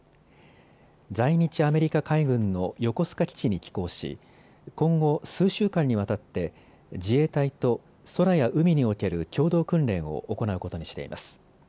在日アメリカ海軍の横須賀基地に寄港し今後、数週間にわたって自衛隊と空や海における共同訓練を行うことにしています。